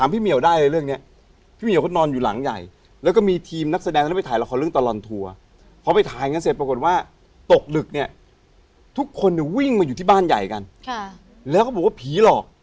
ผมยาวใช่